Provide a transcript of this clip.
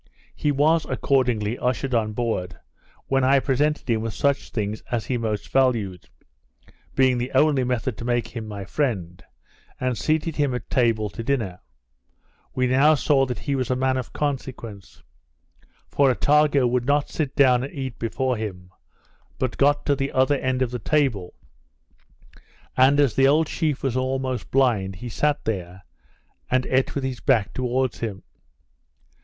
He was, accordingly, ushered on board; when I presented him with such things as he most valued (being the only method to make him my friend,) and seated him at table to dinner. We now saw that he was a man of consequence; for Attago would not sit down and eat before him, but got to the other end of the table; and, as the old chief was almost blind, he sat there, and eat with his back towards him.